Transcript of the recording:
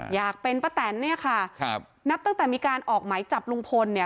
อยากเป็นป้าแตนเนี่ยค่ะครับนับตั้งแต่มีการออกไหมจับลุงพลเนี่ย